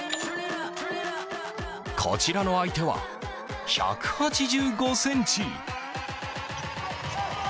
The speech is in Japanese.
こちらの相手は１８５ｃｍ。